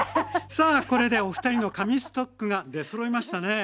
さあこれでおふたりの神ストックが出そろいましたね。